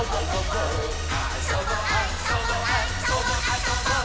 「そぼあそぼあそぼあそぼっ！」